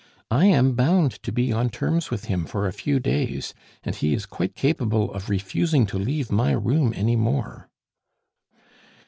I am bound to be on terms with him for a few days, and he is quite capable of refusing to leave my room any more."